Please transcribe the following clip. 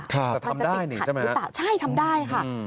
ค่ะทำได้เนี่ยใช่ไหมครับใช่ทำได้ค่ะ